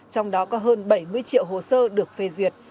trong đó có hơn bảy mươi triệu hồ sơ được phê duyệt